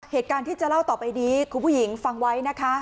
เหตุการณ์ที่จะเล่าต่อไปนี้คุณผู้หญิงฟังไว้นะคะ